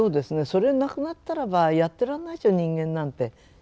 それなくなったらばやってられないでしょ人間なんて。